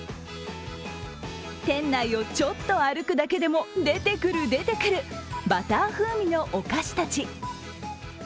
店内をちょっと歩くだけでも、出てくる、出てくる、バター風味のお菓子たち。